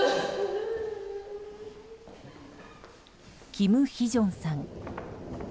キム・ヒジョンさん。